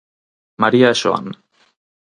María e Xoán.